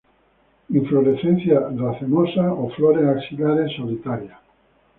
Inflorescencia racemosa o flores axilares solitarias.